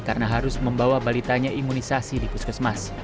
karena harus membawa balitanya imunisasi di puskesmas